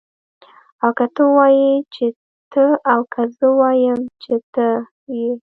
او که ته ووايي چې ته او که زه ووایم چه ته يې